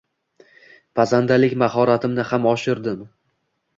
Pazandalik mahoratimni ham oshirdim